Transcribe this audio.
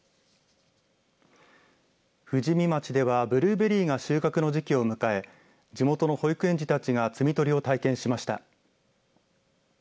富士見町ではブルーベリーが収穫の時期を迎え地元の保育園児たちが摘み取りを体験しました。